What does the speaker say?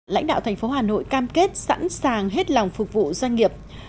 lãnh đạo thành phố hà nội cam kết sẵn sàng hết lòng phục vụ doanh nghiệp